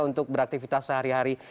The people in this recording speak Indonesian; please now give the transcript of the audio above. untuk beraktivitas sehari hari